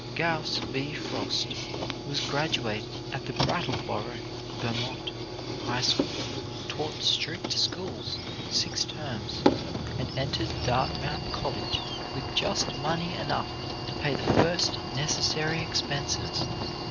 Gaius B. Frost was graduated at the Brattleboro, Vt., High School, taught district schools six terms, and entered Dartmouth College with just money enough to pay the first necessary expenses.